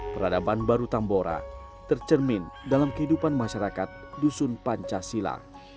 peradaban baru tambora tercermin dalam kehidupan masyarakat dusun pancasila